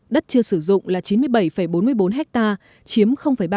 đất chưa sử dụng là chín mươi bảy bốn mươi bốn ha chiếm ba mươi ba